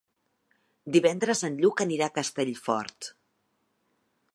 Divendres en Lluc anirà a Castellfort.